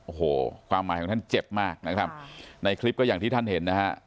โอ้โหความหมายของท่านเจ็บมากนะครับในคลิปก็อย่างที่ท่านเห็นนะฮะ